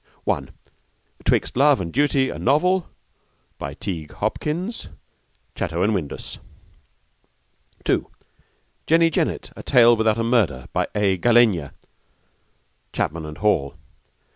(1) 'Twixt Love and Duty: A Novel. By Tighe Hopkins. (Chatto and Windus.) (2) Jenny Jennet: A Tale Without a Murder. By A. Gallenga. (Chapman and Hall.)